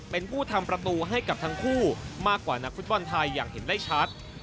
เป็นผู้ทำประตูให้กับทั้งคู่มากกว่านักฟุตบอลไทยอย่างเห็นได้ชัด